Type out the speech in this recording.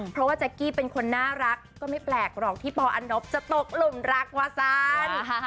เพราะว่าแจ๊กกี้เป็นคนน่ารักก็ไม่แปลกหรอกที่ปอันนบจะตกหลุมรักวาซัน